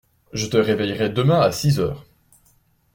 Je te réveillerai demain à six heures.